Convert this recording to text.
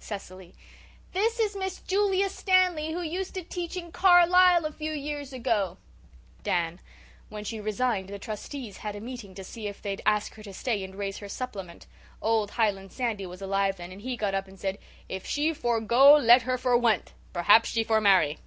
CECILY: "This is Miss Julia Stanley, who used to teach in Carlisle a few years ago." DAN: "When she resigned the trustees had a meeting to see if they'd ask her to stay and raise her supplement. Old Highland Sandy was alive then and he got up and said, 'If she for go let her for went. Perhaps she for marry.